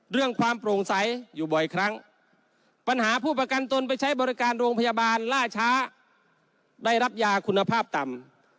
เรื่องความโปร่งใสอยู่บ่อยครั้งปัญหาผู้ประกันตนไปใช้บริการโรงพยาบาลล่าช้าได้รับยาคุณภาพต่ำ